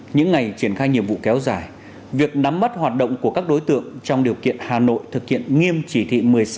những ngày triển khai nhiệm vụ kéo dài việc nắm bắt hoạt động của các đối tượng trong điều kiện hà nội thực hiện nghiêm chỉ thị một mươi sáu